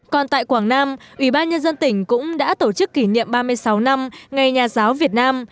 còn tại quảng nam ủy ban nhân dân tỉnh cũng đã tổ chức kỷ niệm ba mươi sáu năm ngày nhà giáo việt nam